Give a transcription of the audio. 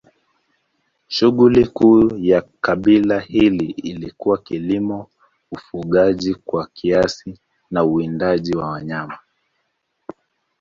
Shughuli kuu ya kabila hili ilikuwa kilimo, ufugaji kwa kiasi na uwindaji wa wanyama.